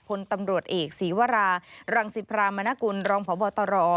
พลตำรวจเอกศีวรารังสิพรามนกุลรองพบตร